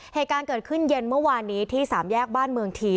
เหตุการณ์เกิดขึ้นเย็นเมื่อวานนี้ที่สามแยกบ้านเมืองที